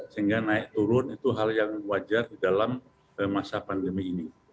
sehingga naik turun itu hal yang wajar di dalam masa pandemi ini